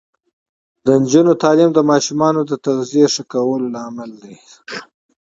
د نجونو تعلیم د ماشومانو تغذیه ښه کولو لامل دی.